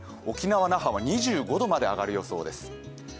沖縄・那覇は２５度まで上がる予報です。